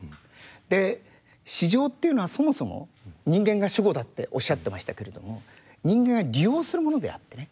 で市場っていうのはそもそも人間が主語だっておっしゃってましたけれども人間が利用するものであってね。